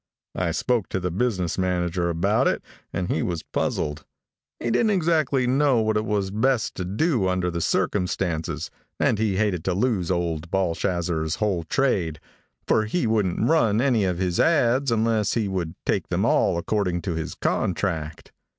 I spoke to the business manager about it, and he was puzzled. He didn't exactly know what it was best to do under the circumstances, and he hated to lose old Balshazzer's whole trade, for he wouldn't run any of his ads unless he would take them all according to his contract.